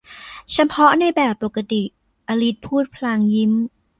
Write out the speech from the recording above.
เฉพาะในแบบปกติ อลิสพูดพลางยิ้ม